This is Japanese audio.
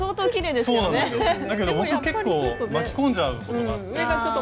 だけど僕結構巻き込んじゃうことがあって。